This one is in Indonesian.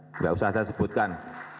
tidak usah saya sebutkan